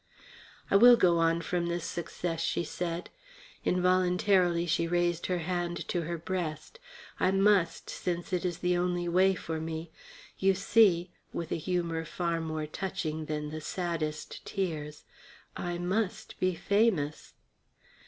"I will go on from this success," she said. Involuntarily she raised her hand to her breast. "I must, since it is the only way for me. You see," with a humour far more touching than the saddest tears, "I must be famous."